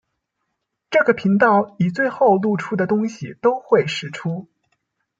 這個頻道以後錄的東西都會釋出